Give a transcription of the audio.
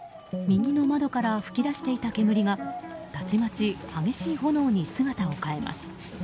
右の窓から噴き出していた煙がたちまち激しい炎に姿を変えます。